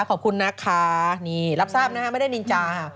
ขอบคุณนะคะนี่รับทราบนะคะไม่ได้นินจา